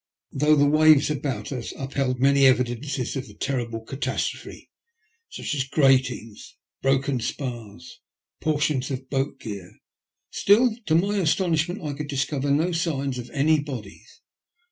Though the waves about us upheld many evidences of the terrible catastrophe, such as gratings, broken spars, portions of boat gear, still, to my astonishment, I could discover no signs of any bodies.